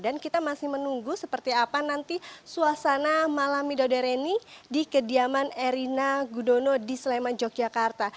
dan kita masih menunggu seperti apa nanti suasana malam mido dareni di kediaman erina gununo di sleman yogyakarta